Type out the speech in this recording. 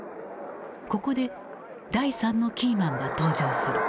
ここで第３のキーマンが登場する。